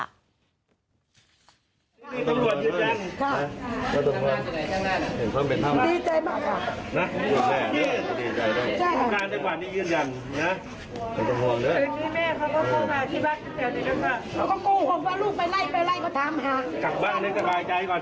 กลับบ้านให้สบายใจก่อนกลับบ้านให้สบายใจก่อน